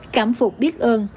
cảm phục biết ơn